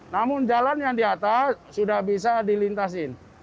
namun jalan yang di atas sudah bisa dilintasin